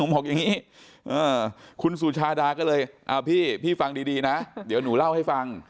ผมบอกอย่างนี้คุณสุชาดาก็เลยพี่ฟังดีนะเดี๋ยวหนูเล่าให้ฟัง